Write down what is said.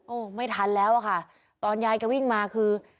โอ้โหไม่ทันแล้วอะค่ะตอนยายแกวิ่งมาคือ